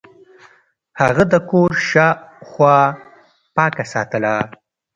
هغه د کور شاوخوا پاکه ساتله.